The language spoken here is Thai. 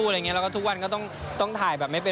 เดี๋ยวก็ดีใจมากกว่าที่น้องได้รับโอกาสดี